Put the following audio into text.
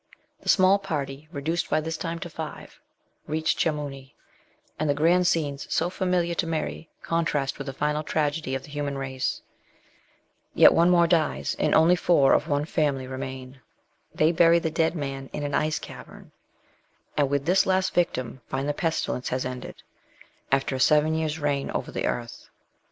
The small party, reduced by this time to five, reach Chamouni, and the grand scenes so familiar to Mary contrast with the final tragedy of the human race ; yet one more dies, and only four of one family remain; they bury the dead man in an ice cavern, and with this last victim find the pestilence has ended, after a seven years' reign over the earth.